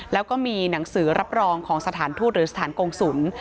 แล้วก็มีหนังสือรับรองของสถานทูตหรือสถานกงศูนย์